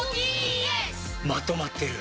まとまってる。